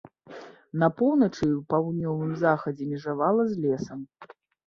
На поўначы і паўднёвым захадзе межавала з лесам.